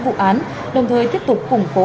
vụ án đồng thời tiếp tục củng cố